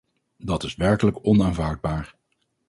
Dat is werkelijk onaanvaardbaar.